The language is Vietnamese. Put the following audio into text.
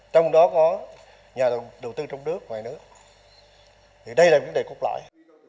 trong đó có nhà đầu tư trong nước ngoài nước thì đây là vấn đề cốt lõi